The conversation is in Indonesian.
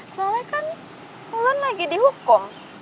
soalnya kan wulan lagi di hukum